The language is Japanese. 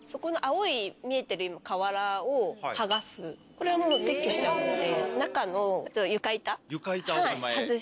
これはもう撤去しちゃうんで。